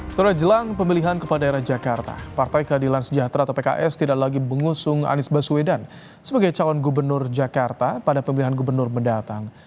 setelah jelang pemilihan kepala daerah jakarta partai keadilan sejahtera atau pks tidak lagi mengusung anies baswedan sebagai calon gubernur jakarta pada pemilihan gubernur mendatang